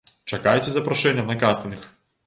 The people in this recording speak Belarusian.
Чакайце запрашэння на кастынг!